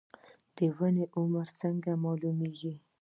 د ونې عمر څنګه معلومیږي؟